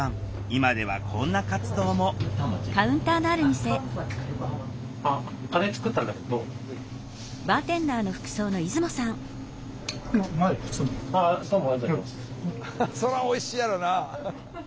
今ではこんな活動もそりゃおいしいやろな。